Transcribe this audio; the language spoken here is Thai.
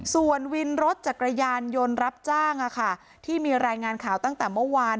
ส่วนวินรถจักรยานยนต์รับจ้างที่มีรายงานข่าวตั้งแต่เมื่อวาน